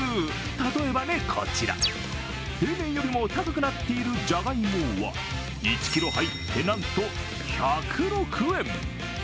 例えばこちら、平年よりも高くなっているじゃがいもは１ｋｇ入って、なんと１０６円。